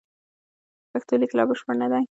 پښتو لیک لا بشپړ نه دی.